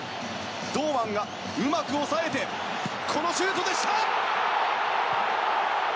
堂安がうまく抑えてこのシュートでした。